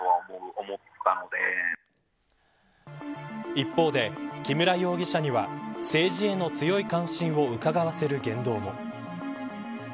一方で、木村容疑者には政治への強い関心をうかがわせる言動も。